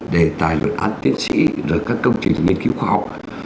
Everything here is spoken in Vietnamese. đề tài luận án tiến sĩ rồi các công trình nghiên cứu khoa học